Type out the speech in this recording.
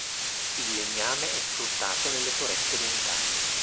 Il legname è sfruttato nelle foreste orientali.